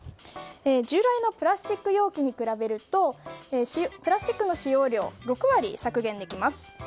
従来のプラスチック容器に比べるとプラスチックの使用量６割削減できます。